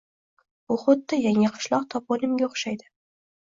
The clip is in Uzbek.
Bu xuddi Yangiqishloq toponimiga oʻxshaydi